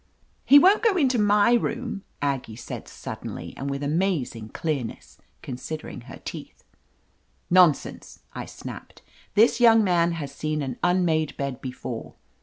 "He won't go into my rooml" Aggie said suddenly, and with amazing clearness, consid ering her teeth. "Nonsense," I snapped. "This young man has seen an unmade bed before."